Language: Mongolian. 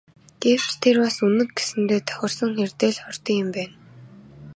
Гэвч тэр бас Үнэг гэсэндээ тохирсон хэрдээ л хурдан юм байна.